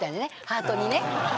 ハートにね。